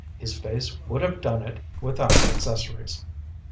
His face would have done it without accessories.